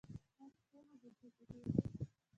ایا پښې مو بې حسه کیږي؟